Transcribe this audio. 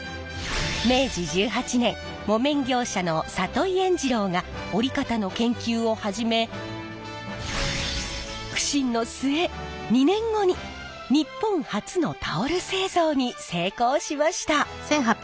明治１８年木綿業者の里井圓治郎が織り方の研究を始め苦心の末２年後に日本初のタオル製造に成功しました。